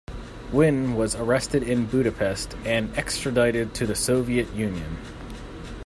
Wynne was arrested in Budapest and extradited to the Soviet Union.